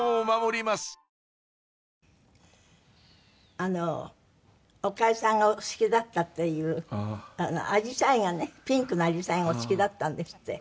あの岡江さんがお好きだったっていうアジサイがねピンクのアジサイがお好きだったんですって。